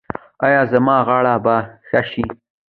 ایا زما غاړه به ښه شي؟